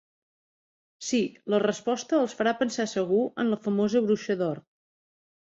Sí, la resposta els farà pensar segur en la famosa Bruixa d'Or.